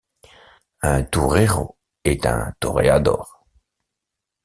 Un Toureiro est un toreador.